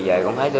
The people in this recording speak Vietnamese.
để không bỏ tay